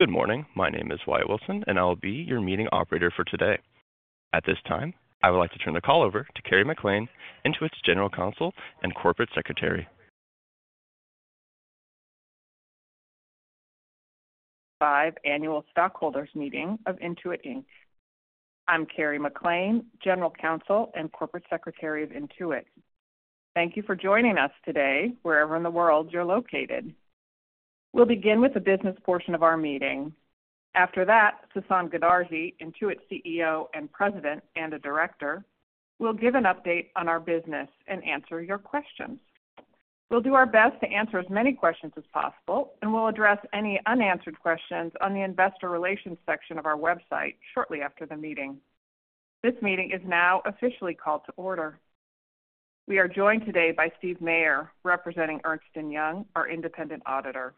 Good morning. My name is Wyatt Wilson, and I'll be your meeting operator for today. At this time, I would like to turn the call over to Kerry McLean, Intuit's General Counsel and Corporate Secretary. 25th Annual Stockholders' Meeting of Intuit Inc. I'm Kerry McLean, General Counsel and Corporate Secretary of Intuit. Thank you for joining us today, wherever in the world you're located. We'll begin with the business portion of our meeting. After that, Sasan Goodarzi, Intuit CEO and President and a Director, will give an update on our business and answer your questions. We'll do our best to answer as many questions as possible, and we'll address any unanswered questions on the Investor Relations section of our website shortly after the meeting. This meeting is now officially called to order. We are joined today by Steve Meier, representing Ernst & Young, our independent auditor.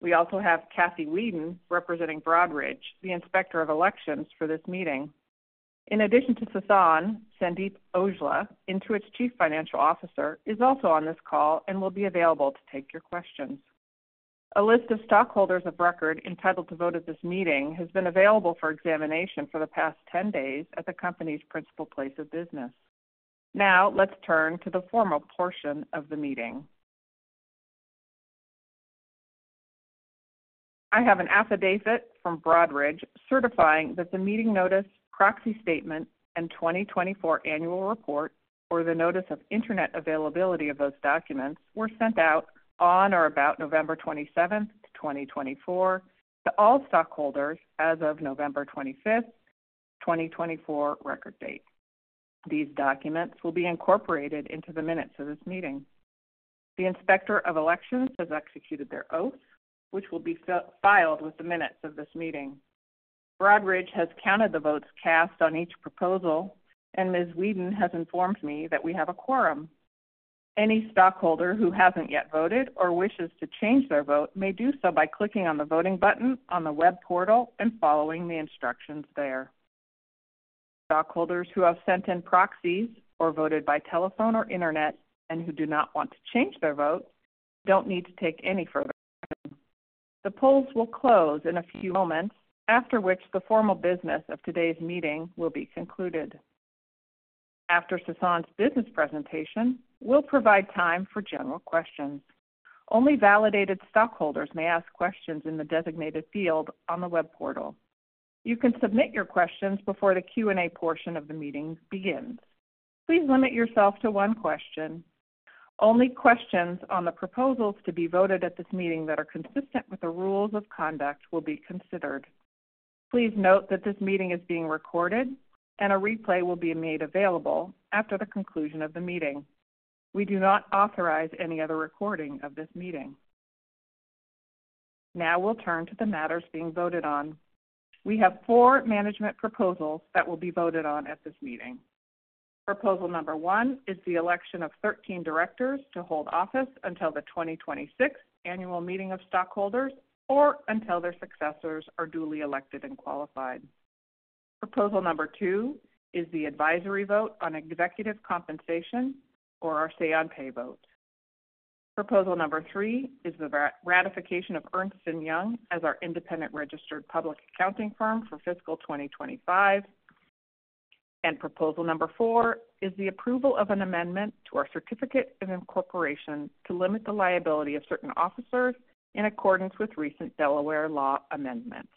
We also have Cathy Weeden, representing Broadridge, the Inspector of Elections for this meeting. In addition to Sasan, Sandeep Aujla, Intuit's Chief Financial Officer, is also on this call and will be available to take your questions. A list of stockholders of record entitled to vote at this meeting has been available for examination for the past 10 days at the company's principal place of business. Now, let's turn to the formal portion of the meeting. I have an affidavit from Broadridge certifying that the meeting notice, proxy statement, and 2024 annual report, or the notice of internet availability of those documents, were sent out on or about November 27th, 2024, to all stockholders as of November 25th, 2024, record date. These documents will be incorporated into the minutes of this meeting. The Inspector of Elections has executed their oath, which will be filed with the minutes of this meeting. Broadridge has counted the votes cast on each proposal, and Ms. Weeden has informed me that we have a quorum. Any stockholder who hasn't yet voted or wishes to change their vote may do so by clicking on the voting button on the web portal and following the instructions there. Stockholders who have sent in proxies or voted by telephone or internet and who do not want to change their vote don't need to take any further action. The polls will close in a few moments, after which the formal business of today's meeting will be concluded. After Sasan's business presentation, we'll provide time for general questions. Only validated stockholders may ask questions in the designated field on the web portal. You can submit your questions before the Q&A portion of the meeting begins. Please limit yourself to one question. Only questions on the proposals to be voted at this meeting that are consistent with the rules of conduct will be considered. Please note that this meeting is being recorded, and a replay will be made available after the conclusion of the meeting. We do not authorize any other recording of this meeting. Now we'll turn to the matters being voted on. We have four management proposals that will be voted on at this meeting. Proposal number one is the election of 13 directors to hold office until the 2026 annual meeting of stockholders or until their successors are duly elected and qualified. Proposal number two is the advisory vote on executive compensation or our Say-on-Pay vote. Proposal number three is the ratification of Ernst & Young as our independent registered public accounting firm for fiscal 2025, and proposal number four is the approval of an amendment to our certificate of incorporation to limit the liability of certain officers in accordance with recent Delaware law amendments.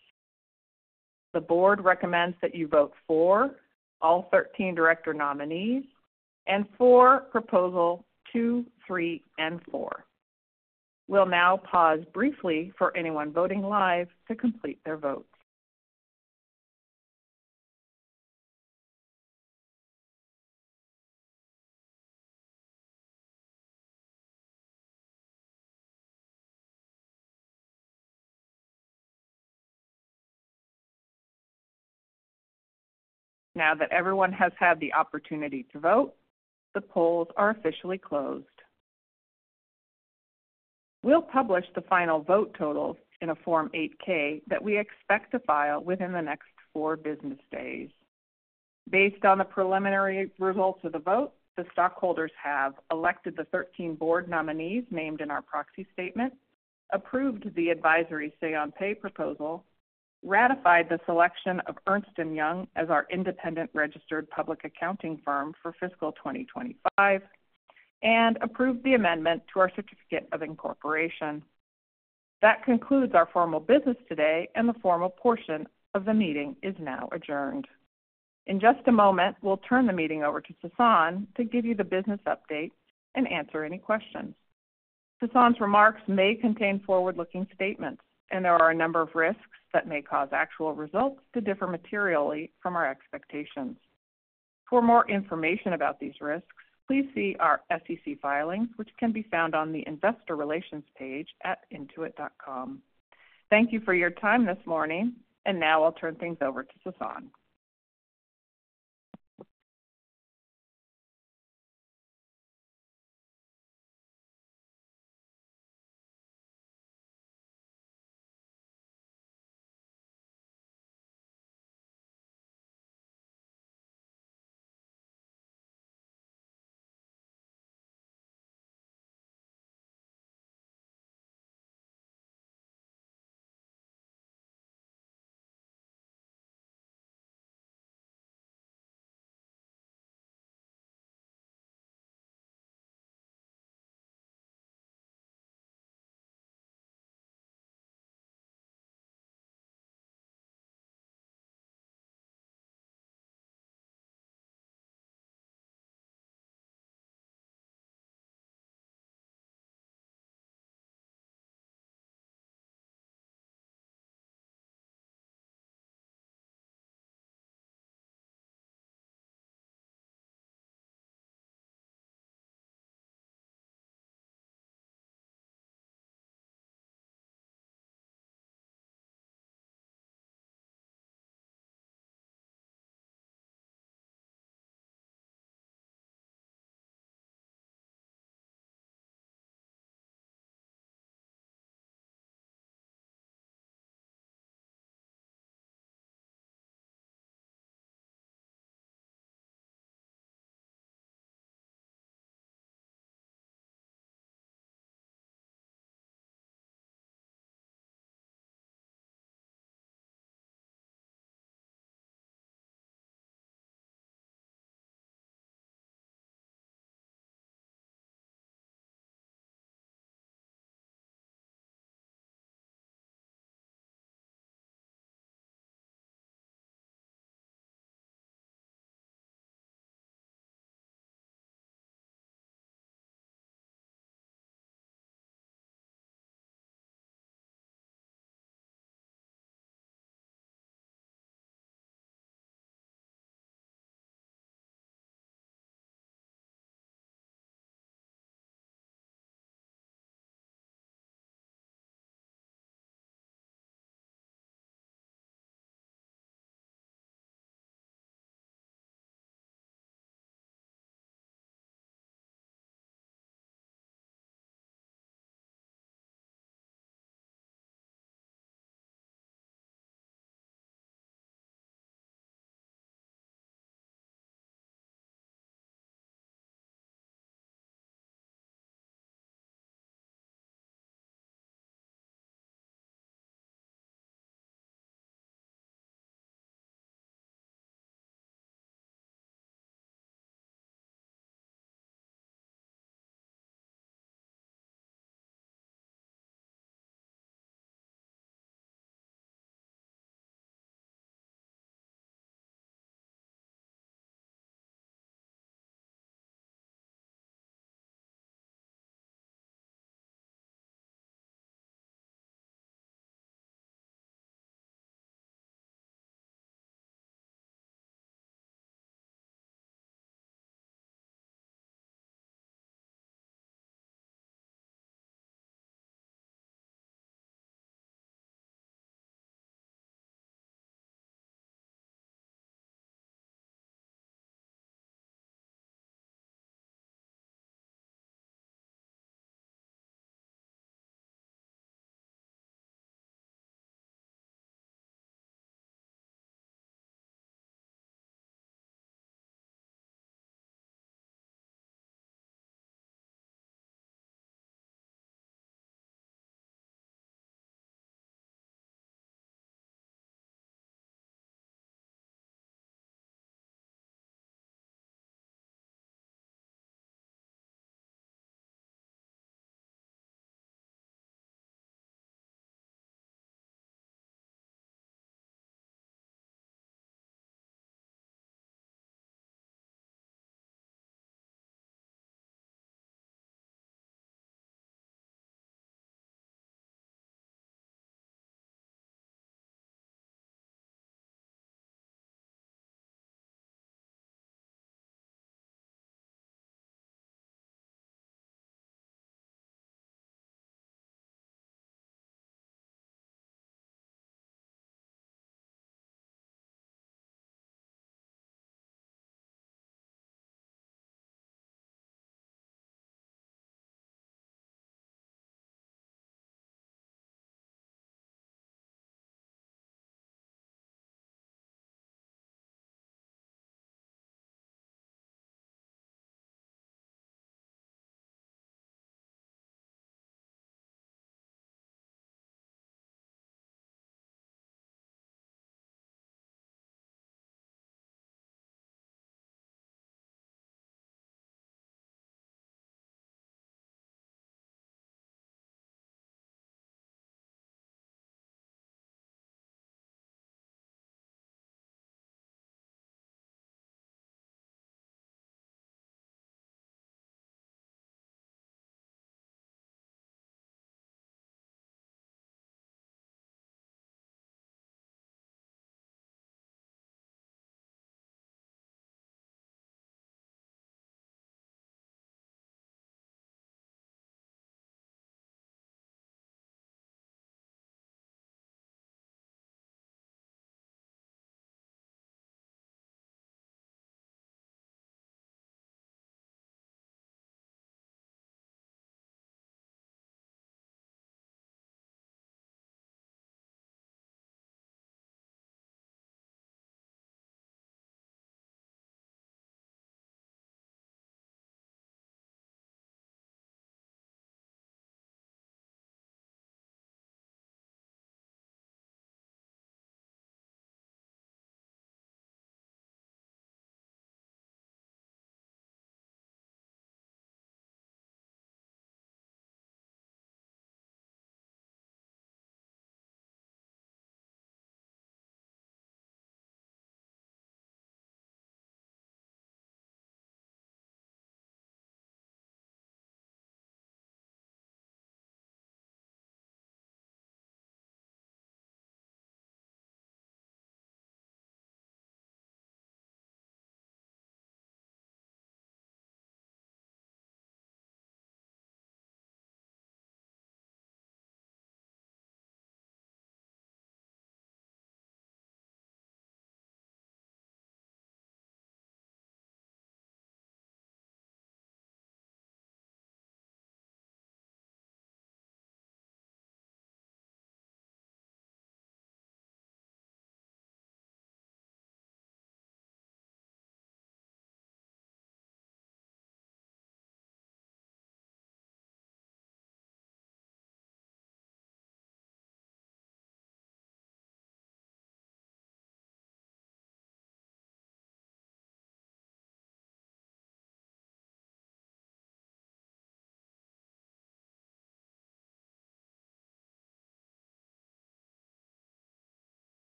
The board recommends that you vote for all 13 director nominees and for proposal two, three, and four. We'll now pause briefly for anyone voting live to complete their votes. Now that everyone has had the opportunity to vote, the polls are officially closed. We'll publish the final vote totals in a Form 8-K that we expect to file within the next four business days. Based on the preliminary results of the vote, the stockholders have elected the 13 board nominees named in our proxy statement, approved the advisory Say-on-Pay proposal, ratified the selection of Ernst & Young as our independent registered public accounting firm for fiscal 2025, and approved the amendment to our certificate of incorporation. That concludes our formal business today, and the formal portion of the meeting is now adjourned. In just a moment, we'll turn the meeting over to Sasan to give you the business update and answer any questions. Sasan's remarks may contain forward-looking statements, and there are a number of risks that may cause actual results to differ materially from our expectations. For more information about these risks, please see our SEC filings, which can be found on the Investor Relations page at intuit.com. Thank you for your time this morning, and now I'll turn things over to Sasan.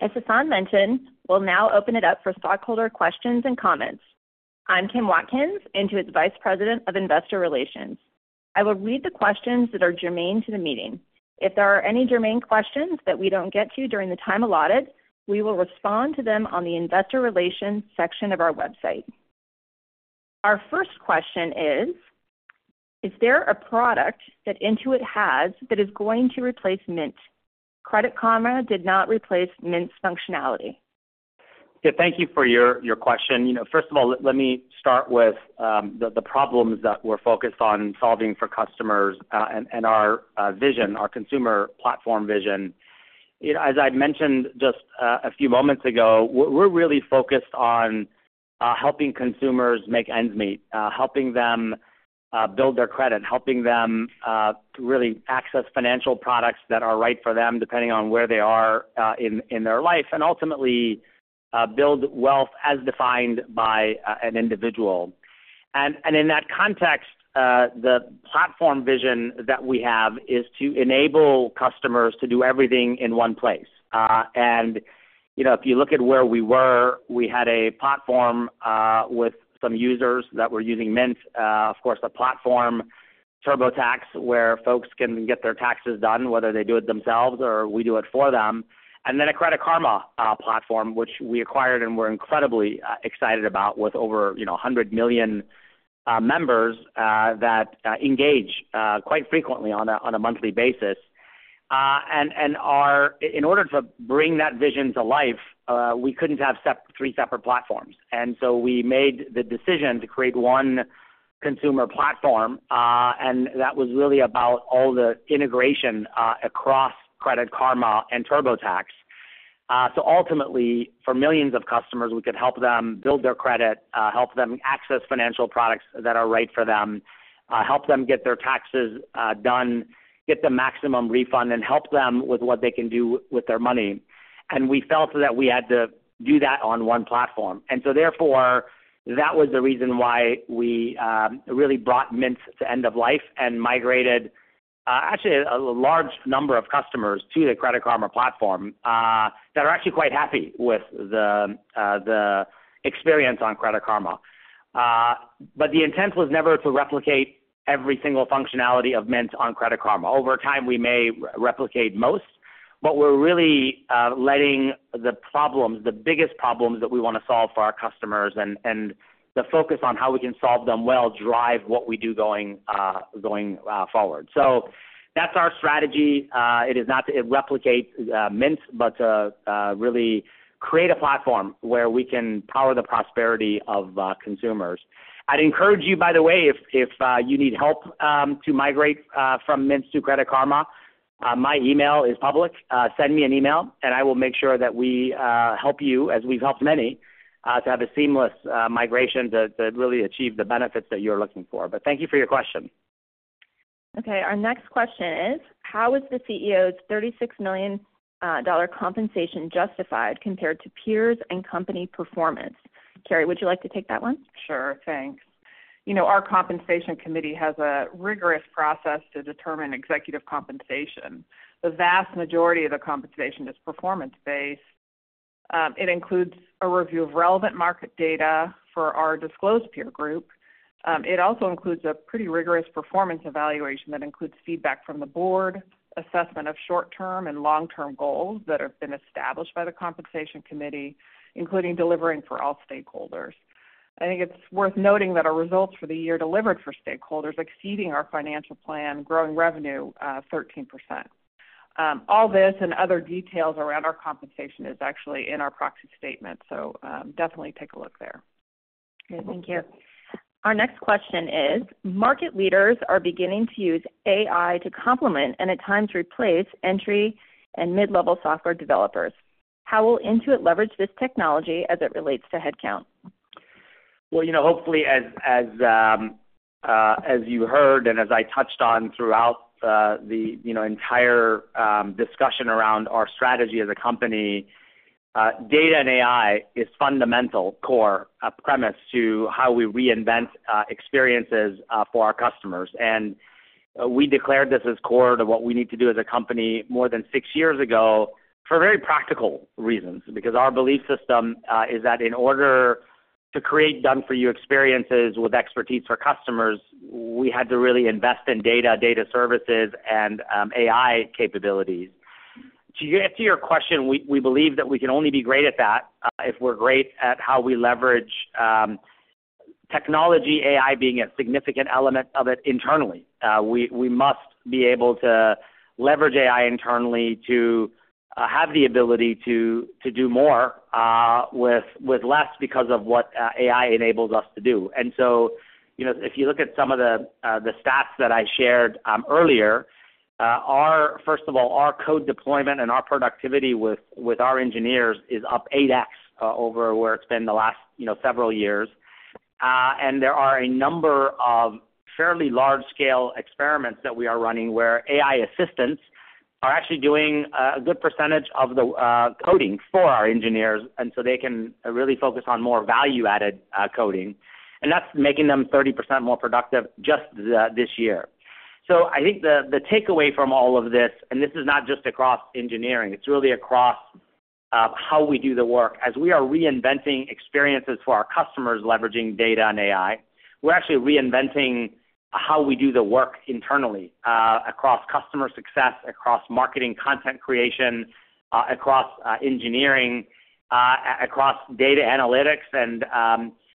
As Sasan mentioned, we'll now open it up for stockholder questions and comments. I'm Kim Watkins, Intuit's Vice President of Investor Relations. I will read the questions that are germane to the meeting. If there are any germane questions that we don't get to during the time allotted, we will respond to them on the Investor Relations section of our website. Our first question is, is there a product that Intuit has that is going to replace Mint? Credit Karma did not replace Mint's functionality. Yeah, thank you for your question. First of all, let me start with the problems that we're focused on solving for customers and our vision, our consumer platform vision. As I mentioned just a few moments ago, we're really focused on helping consumers make ends meet, helping them build their credit, helping them really access financial products that are right for them depending on where they are in their life, and ultimately build wealth as defined by an individual. And in that context, the platform vision that we have is to enable customers to do everything in one place. If you look at where we were, we had a platform with some users that were using Mint, of course, a platform, TurboTax, where folks can get their taxes done whether they do it themselves or we do it for them. And then a Credit Karma platform, which we acquired and we're incredibly excited about with over 100 million members that engage quite frequently on a monthly basis. And in order to bring that vision to life, we couldn't have three separate platforms. And so we made the decision to create one consumer platform, and that was really about all the integration across Credit Karma and TurboTax. So ultimately, for millions of customers, we could help them build their credit, help them access financial products that are right for them, help them get their taxes done, get the maximum refund, and help them with what they can do with their money. And we felt that we had to do that on one platform. And so therefore, that was the reason why we really brought Mint to end of life and migrated actually a large number of customers to the Credit Karma platform that are actually quite happy with the experience on Credit Karma. But the intent was never to replicate every single functionality of Mint on Credit Karma. Over time, we may replicate most, but we're really letting the biggest problems that we want to solve for our customers and the focus on how we can solve them well drive what we do going forward. So that's our strategy. It is not to replicate Mint, but to really create a platform where we can power the prosperity of consumers. I'd encourage you, by the way, if you need help to migrate from Mint to Credit Karma, my email is public. Send me an email, and I will make sure that we help you as we've helped many to have a seamless migration to really achieve the benefits that you're looking for. But thank you for your question. Okay. Our next question is, how is the CEO's $36 million compensation justified compared to peers and company performance? Kerry, would you like to take that one? Sure. Thanks. Our compensation committee has a rigorous process to determine executive compensation. The vast majority of the compensation is performance-based. It includes a review of relevant market data for our disclosed peer group. It also includes a pretty rigorous performance evaluation that includes feedback from the board, assessment of short-term and long-term goals that have been established by the compensation committee, including delivering for all stakeholders. I think it's worth noting that our results for the year delivered for stakeholders exceeding our financial plan, growing revenue 13%. All this and other details around our compensation is actually in our proxy statement. So definitely take a look there. Thank you. Our next question is, market leaders are beginning to use AI to complement and at times replace entry and mid-level software developers. How will Intuit leverage this technology as it relates to headcount? Well, hopefully, as you heard and as I touched on throughout the entire discussion around our strategy as a company, data and AI is fundamental, core, a premise to how we reinvent experiences for our customers. We declared this as core to what we need to do as a company more than six years ago for very practical reasons because our belief system is that in order to create done-for-you experiences with expertise for customers, we had to really invest in data, data services, and AI capabilities. To your question, we believe that we can only be great at that if we're great at how we leverage technology, AI being a significant element of it internally. We must be able to leverage AI internally to have the ability to do more with less because of what AI enables us to do. And so if you look at some of the stats that I shared earlier, first of all, our code deployment and our productivity with our engineers is up 8x over where it's been the last several years. And there are a number of fairly large-scale experiments that we are running where AI assistants are actually doing a good percentage of the coding for our engineers, and so they can really focus on more value-added coding. And that's making them 30% more productive just this year. So I think the takeaway from all of this, and this is not just across engineering, it's really across how we do the work. As we are reinventing experiences for our customers leveraging data and AI, we're actually reinventing how we do the work internally across customer success, across marketing content creation, across engineering, across data analytics, and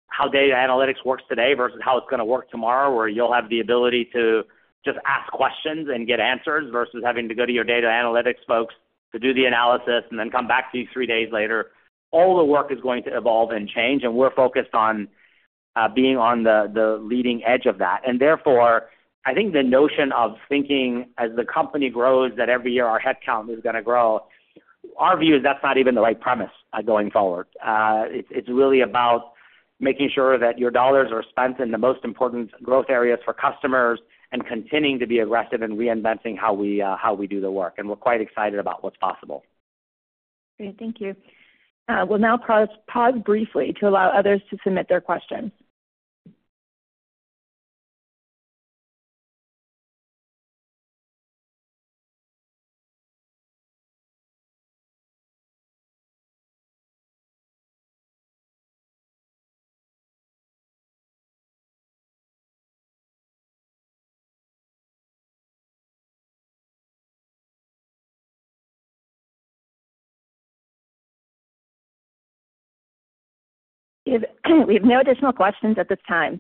how data analytics works today versus how it's going to work tomorrow, where you'll have the ability to just ask questions and get answers versus having to go to your data analytics folks to do the analysis and then come back to you three days later. All the work is going to evolve and change, and we're focused on being on the leading edge of that. And therefore, I think the notion of thinking as the company grows that every year our headcount is going to grow, our view is that's not even the right premise going forward. It's really about making sure that your dollars are spent in the most important growth areas for customers and continuing to be aggressive in reinventing how we do the work. And we're quite excited about what's possible. Great. Thank you. We'll now pause briefly to allow others to submit their questions. We have no additional questions at this time.